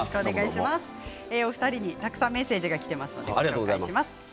たくさんメッセージがきています。